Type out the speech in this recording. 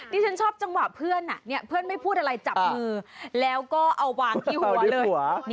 ที่ฉันชอบจังหวะเพื่อนเพื่อนไม่พูดอะไรจับมือแล้วก็เอาวางที่หัวเลย